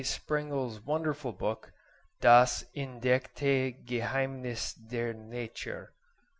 K. Sprengel's wonderful book, 'Das entdeckte Geheimniss der Natur.